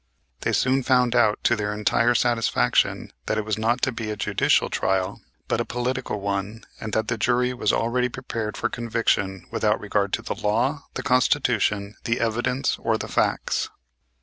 They soon found out to their entire satisfaction that it was not to be a judicial trial, but a political one and that the jury was already prepared for conviction without regard to the law, the Constitution, the evidence, or the facts.